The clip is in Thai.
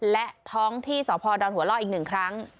และท้องที่สพดอนหัวล่ออีก๑ครั้ง